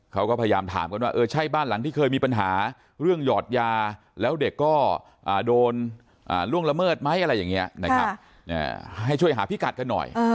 เขาก็พยายามถามกันว่าเออใช่บ้านหลังที่เคยมีปัญหาเรื่องหยอดยาแล้วเด็กก็โดนล่วงละเมิดไหมอะไรอย่างนี้นะครับให้ช่วยหาพิกัดกันหน่อย